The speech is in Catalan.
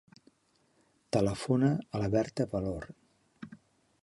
Telefona a la Berta Valor.